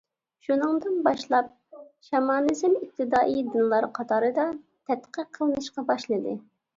شۇنىڭدىن باشلاپ، شامانىزم ئىپتىدائىي دىنلار قاتارىدا تەتقىق قىلىنىشقا باشلىدى.